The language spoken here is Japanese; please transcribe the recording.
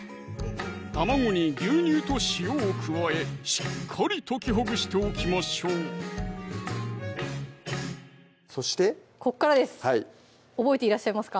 卵に牛乳と塩を加えしっかり溶きほぐしておきましょうそしてここからです覚えていらっしゃいますか？